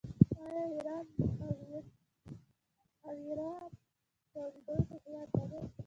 آیا ایران د خاویار تولیدونکی هیواد نه دی؟